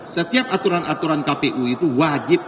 setiap aturan aturan kpu itu wajib